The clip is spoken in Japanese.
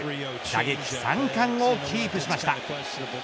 打撃三冠をキープしました。